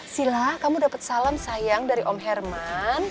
sila kamu dapat salam sayang dari om herman